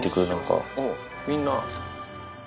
みんな。